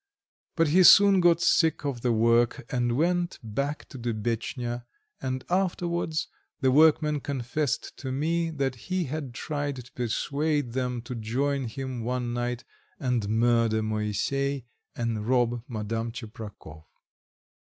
But he soon got sick of the work, and went back to Dubetchnya, and afterwards the workmen confessed to me that he had tried to persuade them to join him one night and murder Moisey and rob Madame Tcheprakov.